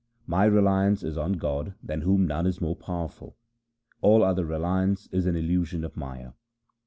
My reliance is on God than whom none is more powerful. All other reliance is an illusion of Maya.